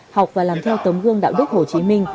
học và làm theo tấm gương đạo đức hồ chí minh